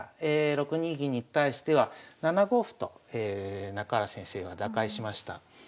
６二銀に対しては７五歩と中原先生は打開しました。